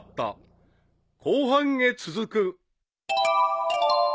［後半へ続く］